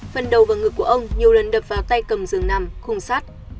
phần đầu và ngực của ông nhiều lần đập vào tay cầm rừng nằm khung sát